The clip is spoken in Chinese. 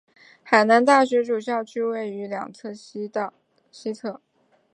海南大学主校区位于大道西侧。